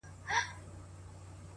د دې بې دردو په ټاټوبي کي بازار نه لري،